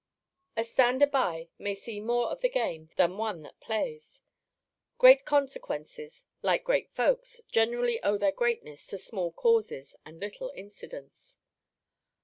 A stander by may see more of the game than one that plays. Great consequences, like great folks, generally owe their greatness to small causes, and little incidents.